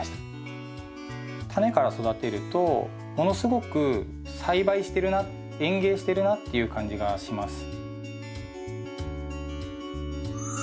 タネから育てるとものすごく栽培してるな園芸してるなっていう感じがします。